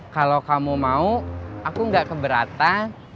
kalau kamu mau aku nggak keberatan